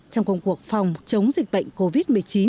trong công cuộc phòng chống dịch bệnh covid một mươi chín